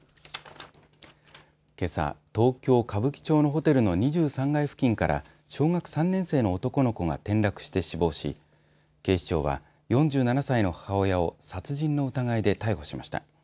けさ東京、歌舞伎町のホテルの２３階付近から小学３年生の男の子が転落して死亡し警視庁は４７歳の母親を殺人の疑いで逮捕しました。